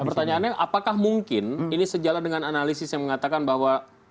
pertanyaannya apakah mungkin ini sejalan dengan analisis yang mengatakan bahwa